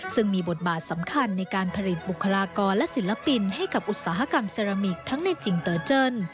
ซึ่งมีบทบาทสำคัญในการผลิตบุคลากรและศิลปินให้กับอุตสาหกรรมเซรามิกทั้งในจิงเตอร์เจิ้น